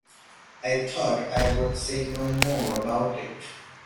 I thought I would say no more about it.